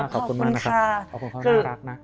คุณมากคุณค่ะ